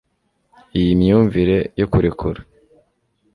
Iyi myumvire yo kurekura